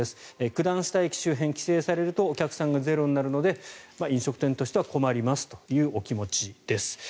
九段下駅周辺が規制されるとお客さんがゼロになるので飲食店としては困りますというお気持ちです。